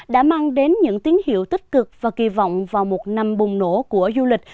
đã mang đến những tín hiệu tích cực và kỳ vọng vào một năm bùng nổ của du lịch